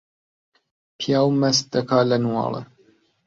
پیاو مەست دەکا لە نواڵە